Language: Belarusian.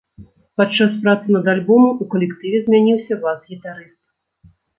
Падчас працы над альбомам у калектыве змяніўся бас-гітарыст.